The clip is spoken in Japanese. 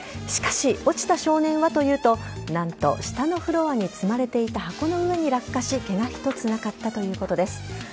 しかし、落ちた少年はというと何と下のフロアに積まれていた箱の上に落下しケガ一つなかったということです。